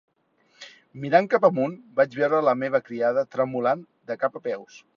Mirant cap amunt, vaig veure la meva criada tremolant de cap a peus.